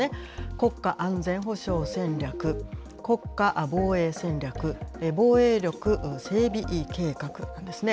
国家安全保障戦略、国家防衛戦略、防衛力整備計画なんですね。